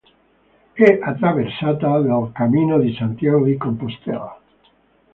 È attraversata dal Cammino di Santiago di Compostela.